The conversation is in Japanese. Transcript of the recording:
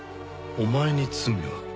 「お前に罪は」？